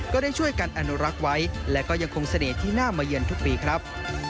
ก็ได้ช่วยกันอนุรักษ์ไว้และก็ยังคงเสน่ห์ที่น่ามาเยือนทุกปีครับ